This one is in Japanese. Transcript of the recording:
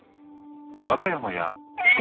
和歌山や四国